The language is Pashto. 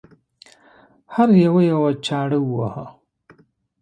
هر یوه یوه یوه چاړه وواهه.